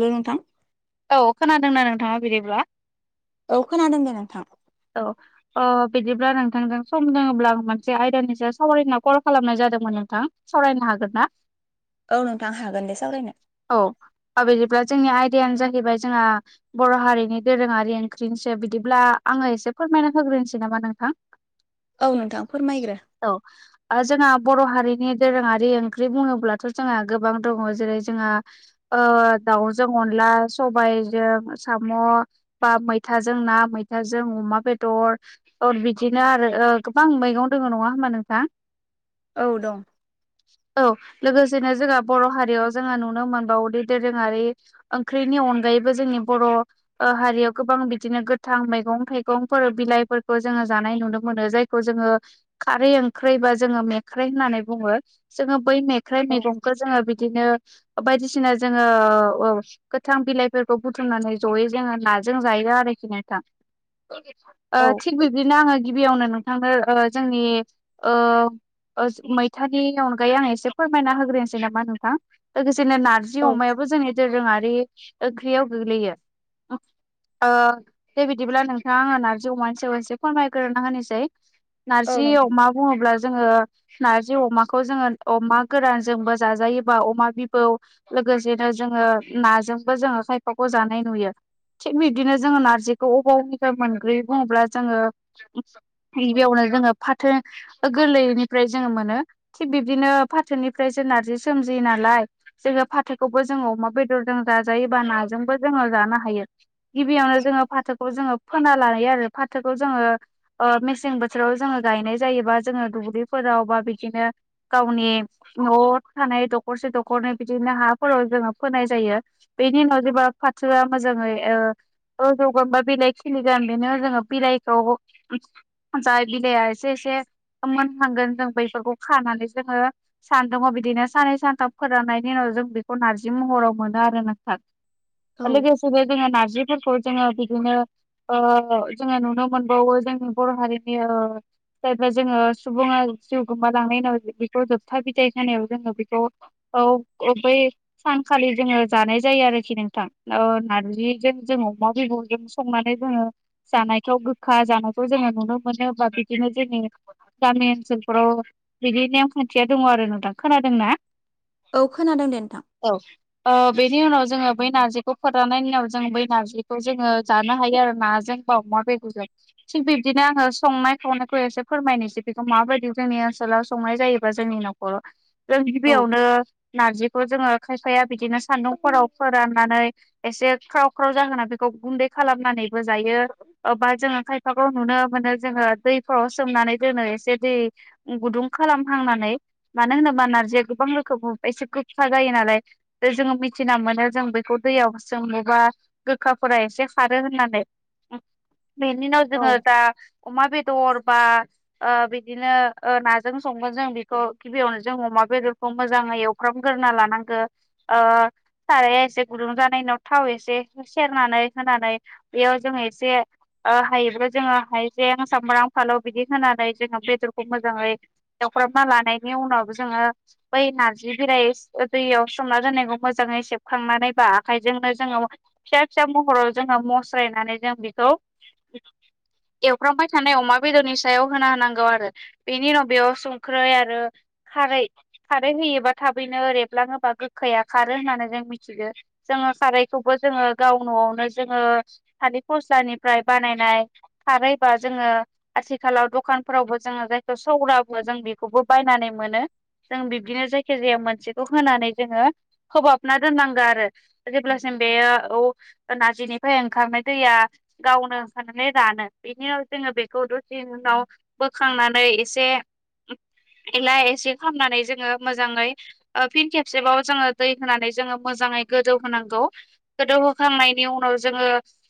ओै नोंथां औ खोनादोंना नोंथाङा बिदिब्ला औ खोनादों दे नोंथां। औ अ बिदिब्ला नोंथांजों सम लोङोब्ला आं मोनसे आयदानि सायाव सावरायाव कल खालामनाय जादोंमोन नोंथां। सरायनो हागोन ना? औ नोंथां हागोन दे सावरायनो। औ बिदिब्ला जोंनि आयदायानो जाहैबाय जोंहा बर' हारिनि दोरोङारि ओंख्रिनिसो बिदिब्ला आङो एसे फोरमायना होग्रोनोसै नामा नोंथां? औ नोंथां फोरमायग्रो। औ ओ जोंहा बर' हारिनि दोरोङारि ओंख्रि बुङोब्लाथ' जोंहा गोबां दङ जेरै जोंहा ओ दाउजों अनला सबायाइजों साम' बा मैथाजों ना मैथाजों अमा बेदर अर बिदिनो आरो गोबां मैगं दङ नङा होमबा नोंथां? औ दं। औ लोगोसेनो जोंहा बर' हारियाव जोङो नुनो मोनबावदि दोरोङारि ओंख्रिनि अनगायैबो जोंनि बर' हारियाव गोबां बिदिनो गोथां गोथां मैगं थाइगंफोर बिलाइफोरखौ जोङो जानाय नुनो मोनो जायखौ जोङो खारै ओंख्रैबा जोङो मेख्राइ होननानै बुङो जोङो बै मेख्राइ औ मैगं खौ जोङो बिदिनो बायदिसिना जोङो ओ ओ औ गोथां बिलाइफोरखौ बुथुमनानै जयै जोङो नाजों जायो आरोखि ने औ नोंथां ओ औ थि थिग बिब्दिनो आङो गिबियावनो नोंथांनो ओ जोंनि ओ ओ मैथानि अनगायै आं एसे फोरमायना होग्रोनोसै नामा नोंथां लोगोसेनो नारजि नारजि औ अमायाबो जोंनि दोरोङारि ओंख्रियाव गोग्लैयो ओ दे बिदिब्ला नोंथां आङो नारजि अमानि सायाव एसे फोरमायग्रोना होनोसै औ नारजि नोंथां अमा बुङोब्ला जोङो नारजि अमाखौ जोङो अमा गोरानजोंबो जाजायोबा अमा बिबौ लोगोसेनो जोङो नाजोंबो जोङो खायफाखौ जानाय नुयो थिग बिबदिनो जोङो नारजिखौ अबाव अबेनिफ्राय मोनग्रोयो बुङोब्ला जोङो गिबियावनो जोङो फाथो गोरलैनिफ्राय जोङो मोनो थिग बिब्दिनो फाथोनिफ्राय सो नार्जि सोमजियो नालाय जोङो फाथोखौबो जोङो अमा बेदरजों जाजायोबा नाजोंबो जोङो जानो हायो गिबियावनो जोङो फाथोखौ जोङो फोना लायो आरो फाथोखौ जोङो ओ मेसें बोथोराव जोङो गायनाय जायोबा जोङो दुब्लिफोराव बा बिदिनो गावनि न'आव थानाय दखरसे दख'रनै बिदिनो हाफोराव जोङो फोनाय जायो बेनि उनाव जेब्ला फाथोआ मोजाङै ओ जौगाबाद बिलाइ खिलिगोन बेनो जोङो बिलाइखौ जाय बिलाइआ एसे एसे मोननांगोन जों बैफोरखौ खानानै जोङो सानदुंआव बिदिनो साननै सानथाम फोराननायनि उनाव जों बेखौ नारजि महराव मोनो आरोना औ [unintelligible] लोगोसेनो जोंङो नारजिफोरखौ जोङो बिदिनो ओ जोङो नुनो मोनबावो जोंनि बर' हारिनि ओ जेब्ला जोङो सुबुङा जिउ गोमालांनायनि उनाव बेखौ जोबथा बिदाइ होनायाव जोङो बेखौ औ अबै सानखालि जोङो जानाय जायो आरोखि नोंथां नारजिजों जों अमा बिबु जों संनानै जोङो जानायखौ गोखा जानायखौ जोङो नुनो मोनो बा बिदिनो जोंनि गामि ओनसोलफोराव बिदि नेमखान्थिया दङ आरो ना दा खोनादोंना औ खोनादों दे नोंथां औ ओ बेनि उनाव जोङो बै नारजिखौ फोराननायनि उनाव जों बै नारजिखौ जोङो जानो हायो आरोना जेनेबा अमा बेदरजों थिग बिब्दिनो आङो संनाय खावनायखौ एसे फोरमायनोसै बेखौ माबायदि जोंनि ओनसोलाव संनाय जायोबा जोंनि न'ख अ जों औ गिबियावनो नारजिखौ जोङो खायफाया बिदिनो सान्दुंफोराव फोराननानै एसे ख्राव ख्राव जाहोना बेखौ गुन्दै खालामनानैबो जायो अबा जोङो खायफाखौ नुनो मोनो जोङो दैफोराव सोमनानै दोनो एसे दै गुदुं खालामहांनानै मानो होनोबा नारजिया गोबां रोखोम एसे गोखा जायो नालाय दा जोङो मिथिना मोनो जों बेखौ दैयाव सोंमोबा गोखाफोरा एसे खारो होननानै बेनि उनाव औ जोङो दा अमा बेदर बा ओ बिदिनो ओ नाजों संगोन जों बेखौ गिबियावनो जों अमा बेदरखौ मोजाङै एव एउफ्राम ग्रोना लानांगो ओ साराया एसे गुदुं जानाय उनाव थाव एसे सेरनानै होनानै बेयाव जोंङो एसे ओ हायोब्ला जोङो हाइजें सामब्राम फालौ बिदि होनानै जोङो बेदरखौ मोजाङै एवफ्रामना लानायनि उनावबो जोङो बै नारजि बिलाइ दैयाव सोमना दोननायखौ मोजाङै सेबखांनानैबा आखाइजोंनो जोङो फिसा फिसा महराव जोङो मस्रायनानै जों बेखौ एवफ्रामबाय थानाय अमा बेदरनि सायाव होना होनांगौ आरो बेनि उनाव बेयाव संख्रै आरो खारै खारै होयोबा थाबैनो रेबलाङोबा बा गोखाया खारो होननानै जों मिथिगौ जोङो खारैखौबो जोङो गाव न'आवनो जोङो थालिर फस्लानिफ्राय बानायनाय खारै बा जोङो आथिखालाव दखानफोरावबो जोङो जायखौ सौरा बुङो जों बेखौबो बायनानै मोनो जों बिब्दिनो जायखि जाया मोनसेखौ होनानै जोङो खोबाबना दोननांगौ आरो जेब्लासिम बे औ ना रजिनिफ्राय ओंखारनाय दैया गावनो ओंखारनानै रानो बेनि उनाव जोङो बेखौ दसे उनाव बोखांनानै एसे एला एसि खालामनानै जोङो मोजाङै ओ फिन खेबसेबाव जोङो दै होनानै जोङो मोजाङै गोदौ होनांगौ गोदौहोखांनाय नि उनाव जोङो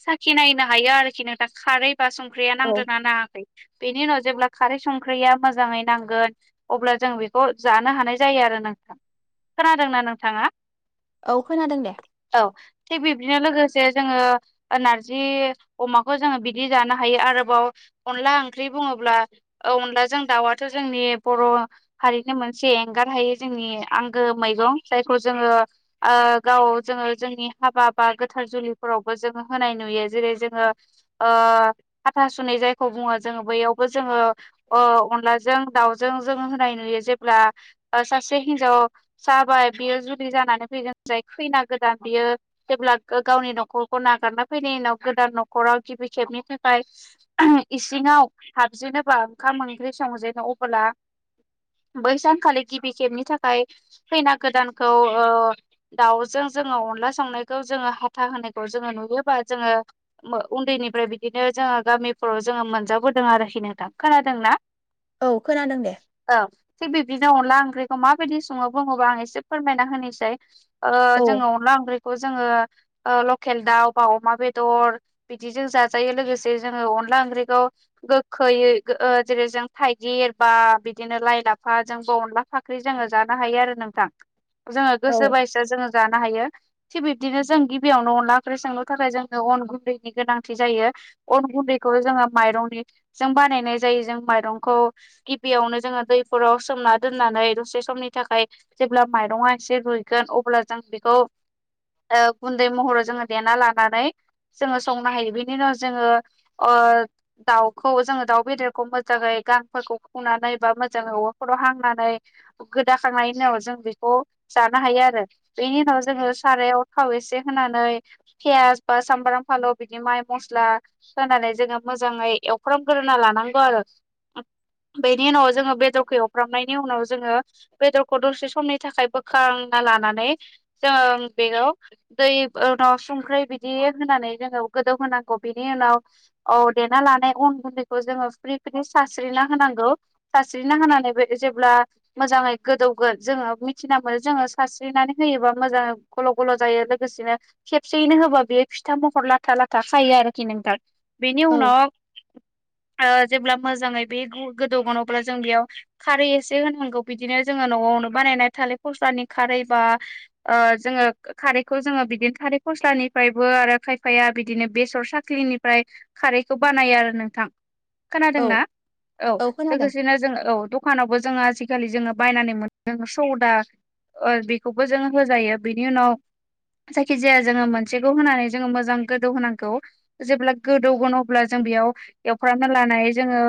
साखि नायनो हायो आरोखि नोंथां खारै बा संख्रिया औ नांदोना नाङाखै बेनि उनाव जेब्ला खारै संख्रिया मोजाङै नांगोन अब्ला जों बेखौ जानो हानाय जायो आरो नोंथां खोनादोंना नोंथाङा औ खोनादों दे औ थिग बिबदिनो लोगो से जोङो नारजि अमाखौ जोङो बिदि जानो हायो आरोबाव अनला ओंख्रि बुङोब्ला ओ अनलाजों दाउआथ' जोंनि बर' थारैनो मोनसे एंगार हायो जोंनि आंगो मैगं जायखौ जोङो ओ गाव जोङो जोंनि हाबा बा गोथार जुलिफोरावबो जोङो होनाय नुयो जेरै जोङो ओ हाथासुनै जायखौ बुङो जोङो बेयावबो जोङो अ अनलाजों दाउजों जों होनाय नुयो जेब्ला ओ सासे हिन्जाव जाबाय बियो जुलि जानानै फैगोन जाय खैना गोदान बियो जेब्ला गावनि न'खरखौ नागारना फैनायनि उनाव गोदान न'खराव गिबि खेबनि थाखाय इसिङाव हाबजेनोबा ओंखाम ओंख्रि संजेनो अबोब्ला बै सानखालि गिबि खेबनि थाखाय खैना गोदानखौ औ दाउजों जोङो अनला संनायखौ जोङो हाथा होनायखौ जोङो नुयोबा जोङो उन्दैनिफ्राय बिदिनो जोङो गामिफोराव जोङो मोनजाबोदों आरोखि नोंथां खोनादोंना [inaudible] औ खोनादों दे औ थिग बिब्दिनो अनला ओंख्रिखौ माबायदि सङो बुङोबा आं एसे फोरमायना होनोसै ओ औ जोङो अनला ओंख्रिखौ जोङो लकेल दाउ बा अमा बेदर बिदिजों जाजायो लोगोसे जोङो अनला ओंख्रिखौ गोखैयै ओ जेरै जों थाइगिर एरबा बिदिनो लाइ लाफा जोंबो अनला साख्रि जोङो जानो हायो आरो नोंथां जोङो गोसो औ बायसा जोङो जानो हायो थिग बिब्दिनो जों गिबियावनो अनला ओंख्रि संनो थाखाय जोंनो अन गुन्दैनि गोनांथि जायो। अन गुन्दैखौ जोङो माइरंनि जों बानायनाय जायो जों माइरंखौ गिबियावनो जोङो दैफोराव सोमना दोननानै दसे समनि थाखाय जेब्ला माइरङा एसे रुइगोन अब्ला जों बेखौ ओ गुन्दै महराव जोङो देना लानानै जोङो संनो हायो बेनि उनाव जोङो ओ दाउखौ जोङो दाउ बेदरखौ मोजाङै गांफोरखौ फुनानै बा मोजाङै अरफोराव हांनानै गोदाखांनायनि उनाव जों बेखौ जानो हायो आरो बेनि उनाव जोङो सारायाव थाव एसे होनानै पियास बा सामब्राम फालौ बिदि माइ मस्ला होनानै जोङो मोजाङै एवफ्रामग्रोना लानांगौ आरो बेनि उनाव जोङो बेदरखौ एवफ्रामनायनि उनाव जोङो बेदरखौ दसे समनि थाखाय बोखांना लानानै जोङो बेयाव दै उनाव संख्रि बिदि होनानै जोङो गोदौ होनांगौ बिनि उनाव औ देना लानाय अन गुन्दैखौ जोङो फ्रि फ्रि सारस्रिना होनांगौ। सानस्रिनो होनानैबो जेब्ला मोजाङै गोदौगोन जोङो मिथिना मोनो जोङो सानस्रिनानै होयोबा मोजाङै ग ल' जायो लोगोसेनो खेबसेयैनो होबा बेयो फिथा महर लाथा लाथा खायो आरोखि नोंथां। बिनि औ उनाव ओ जेब्ला मोजाङै बे गोदौगोन अब्ला जों बेयाव खारै एसे होनांगौ बिदिनो जोङो न'वावनो बानायनाय थालिर फस्लानि खारै बा ओ जोङो खारैखौ जोङो बिदिनो थारै फस्लानिफ्रायबो आरो खायफाया बिदिनो बेसर साक्लिनिफ्राय खारैखौ बानायो आरो नोंथां औ खोनादोंना औ लोगोसेनो जों औ दखानावबो जोङो आजिखालि जोङो बायनानै मोनदों सौदा ओ बेखौबो जों होजायो बिनि उनाव जायखिजाया जोङो मोनसेखौ होनानै जोङो मोजां गोदौ होनांगौ। जेब्ला गोदौगोन अब्ला जों बेयाव एवफ्रामना लानाय जोङो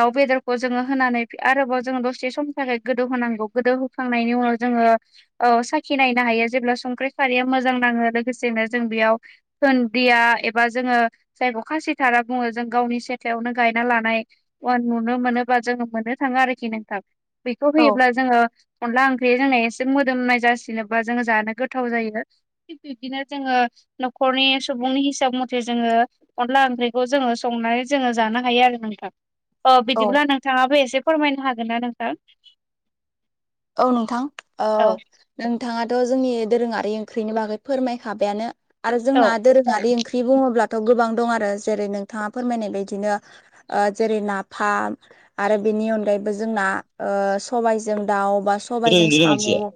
दाउ बेदरखौ जोङो होनानै आरोबाव जोङो दसे समनि थाखाय गोदौ होनांगौ गोदौ होखांनायनि उनाव जोङो औ साखि नायनो हायो जेब्ला संख्रि खारिया मोजां नाङो लोगोसेनो जों बेयाव धुनदिया एबा जोङो जायखौ खासिथारा बुङो जों गावनि सेथलायावनो गायना लानाय औ नुनो मोनो बा जोङो मोननो थाङा आरोखि नोंथां बेखौ औ होयोब्ला जोङो अनला ओंख्रिया जोंना एसे मोदोमनाय जासिनोबा जोङो जानो गो थाव जायो थिग बिब्दिनो जोङो नखरनि सुबुंनि हिसाब मथे जोङो अनला ओंख्रिखौ जोङो संनानै जोङो जानो हायो आरो नोंथां। अ औ बिदिब्ला नोंथाङाबो एसे फोरमायनो हागोन ना नोंथां? औ नोंथां ओ औ नोंथाङाथ' जोंनि दोरोङारि ओंख्रिनि बागै फोरमायखाबायानो। आरो औ जोंना दोरोङारि ओंख्रि बुङोब्लाथ' गोबां दं आरो जेरै नोंथाङा फोरमायनाय बायदिनो ओ जेरै नाफाम आरो बेनि अनगायैबो जोंना ओ सबाइजों दाउ बा सबाइजों रोंगोना साम' मानसिया ओ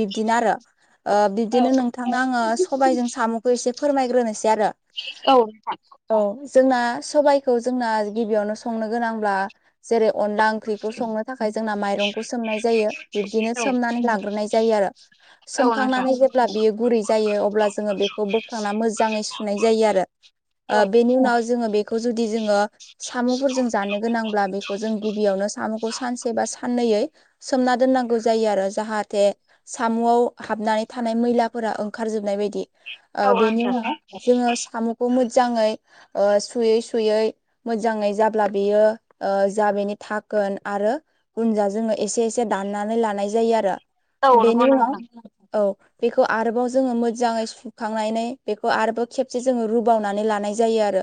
बिब्दिनो आरो। ओ औ बिदिनो नोंथां आङो सबाइजों साम'खो एसे फोरमायग्रोनोसै आरो। औ नोंथां औ जोंना सबाइखौ जोंना गिबियावनो संनो गोनांब्ला जेरै अनला ओंख्रिखौ संनो थाखाय जोंना माइरं खौ सोमनाय जायो बिब्दिनो सोमनानै लाग्रोनाय जायो आरो। औ नोंथां सोमखांनानै जेब्ला बियो गुरै जायो अब्ला जोङो बेखौ बोखांना मोजाङै सुनाय जायो आरो। ओ औ बेनि उनाव जोङो बे खौ जुदि जोंङो साम'फोरजों जानो गोनांब्ला बेखौ जों गिबियावनो साम'खौ खौ सानसे बा साननैयै सोमना दोननांगौ जायो आरो जाहाथे साम'आव हाबनानै थानाय मैलाफोरा ओंखारजोबनाय बायदि ओ बेनि नोंथां उनाव जोङो साम'खौ मोजाङै ओ सुयै सुयै मोजाङै जाब्ला बेयो ओ जा बेनि थाखोन आरो उनजा जोङो एसे एसे दाननानै लानाय जायो आरो औ बेनि नंगौ उनाव नोंथां औ बेखौ आरोबाव जोङो मोजाङै सुखांनानै बेखौ आरोबाव खेबसे जोङो रुबावनानै लानाय जायो आरो।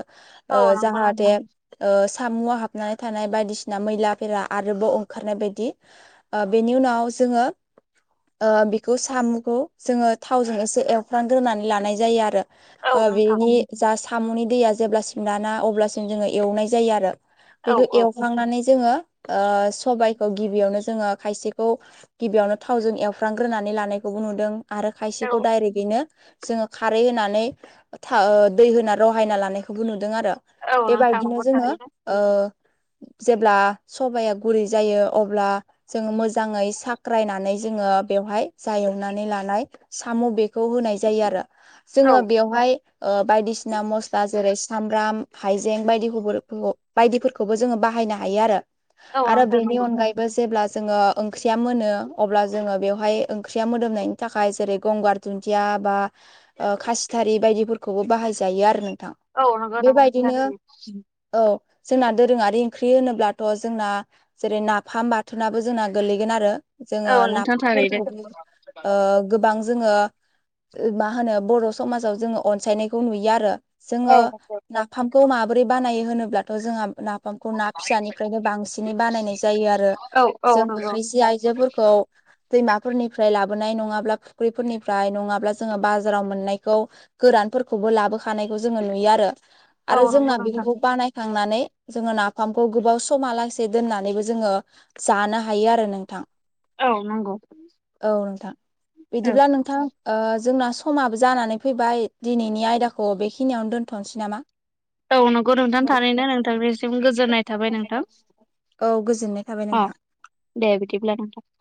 औ ओ नंगौ जाहाथे नोंथां ओ सामुआव हाबनानै थानाय बायदिसिना मैलाफोरा आरोबाव ओखारनाय बायदि ओ बेनि उनाव जोङो ओ बेखौ साम'खौ जोङो थावजों एसे एवफ्रानग्रोनानै लानाय जायो आरो। औ ओ नोंथां बेनि जा साम'नि दैया जेब्लासिम राना अब्लासिम जोङो एवनाय जायो आरो औ बेखौ औ एवखांनानै जोङो ओ सबाइखो गिबियावनो जोङो खायसेखौ गिबियावनो थावजों एवफ्रानग्रोनानै लानायखौबो नुदों आरो खायसेखौ औ डाइरेक्टयैनो जोङो खारै होनानै था दै होना रहायना लानायखौबो नुदों आरो। औ नोंथां बेबायदिनो नंगौ जोङो थारैनो ओ जेब्ला सबाइया गुरै जायो अब्ला जोङो मोजांयै साख्रायनानै जोङो बेवहाय जा एवनानै लानाय साम' बेखौ होनाय जायो आरो औ जोङो बेवहाय ओ बायदिसिना म'स्ला जेरै सामब्राम हाइजें बायदिखौफोरखौ बायदि खौबो जोङो बाहायनो हायो आरो औ आरो नोंथां बेखौ नंगौ बेवायबो जेब्ला जोङो ओंख्रिआ मोनो अब्ला जोङो बेवहाय ओंख्रिआ मोदोमनायनि थाखाय जेरै गंगार दुन्दिआ बा ओ खासिथारि बायदिफोरखौबो बाहायजायो आरो नोंथां औ नंगौ नोंथां बेबायदिनो थारैनो औ जोंना दोरोंआरि ओंख्रि होनोब्लाथ' जोंना जेरै नाफाम बाथोनाबो जोंना गोलैगोन आरो जोङो औ नोंथां थारैनो नाफामफोरखौबो ओ गोबां जोङो मा होनो बर' समाजाव जोङो अनसायनायखौ नुयो आरो जोङो औ नंगौ नाफामखौ माबोरै बानायो होनोब्लाथ' जोंहा नाखो नफामखौ ना फिसानिफ्रायनो बांसिनै बानायनाय जायो आरो औ औ जों नंगौ खायसे आइजोफोरखौ औ दैमाफोरनिफ्राय लाबोनाय नङाब्ला फुख्रिफोरनिफ्राय नङाब्ला जोङो बाजाराव मोननायखौ गोरानफोरखौबो लाबोखानायखौ जोङो नुयो आरो औ आरो जोंना नंगौ नोंथां बेफोरखौ बानायखांनानै जोङो नाफामखौ गोबाव समालासे दोननानैबो जोङो जानो हायो आरो नोंथां औ नंगौ औ नोंथां औ बिदिब्ला नोंथां ओ जोंना समाबो जानानै फैबाय दिनैनि आयदाखौ बेखिनिआवनो दोनथ' थ'नोसै नामा औ नंगौ नोंथां थनो नोंथांनिसिम गोजोननाय थाबाय नोंथां औ गोजोननाय थाबाय अ नोंथां दे बिदिब्ला नोंथां